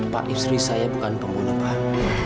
pak istri saya bukan pembunuh pak